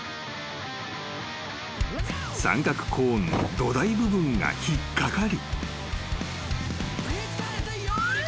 ［三角コーンの土台部分が引っかかり］